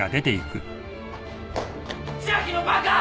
千秋のバカ！